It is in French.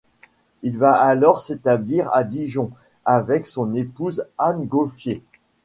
Il va alors s'établir à Dijon avec son épouse Anne Goffier.